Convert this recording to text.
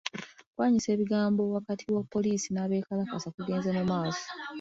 Okuwaanyisiganya ebigambo wakati wa poliisi ne bakkansala kugenze mu maaso .